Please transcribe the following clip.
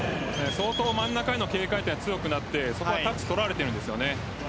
真ん中への警戒が強くなってそこはタッチが取られているんです。